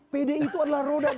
pdi itu adalah roda dua